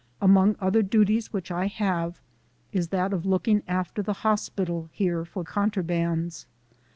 Among other duties which I have, is that of looking after the hospital here for contrabands.